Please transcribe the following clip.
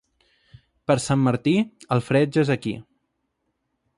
Per Sant Martí el fred ja és aquí.